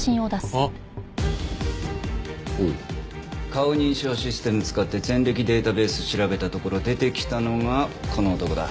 顔認証システム使って前歴データベース調べたところ出てきたのがこの男だ。